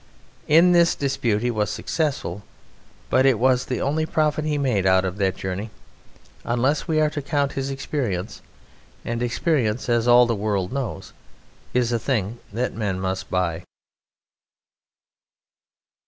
In this dispute he was successful, but it was the only profit he made out of that journey, unless we are to count his experience, and experience, as all the world knows, is a thing that men must buy.